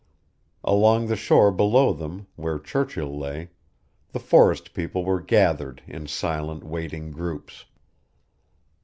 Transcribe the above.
Along the shore below them, where Churchill lay, the forest people were gathered in silent, waiting groups.